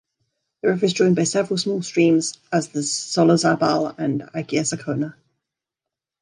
The river is joined by several small streams as the Solozabal and Agirre-Sakona.